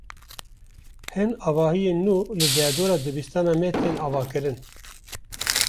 Hin avahiyên nû li derdora dibistana me tên avakirin.